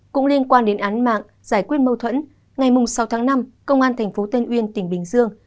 cũng liên quan đến án mạng giải quyết mâu thuẫn ngày sáu tháng năm công an tp tân uyên tỉnh bình dương